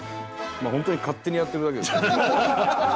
本当に勝手にやってるだけですから。